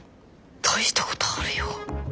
大したことあるよ。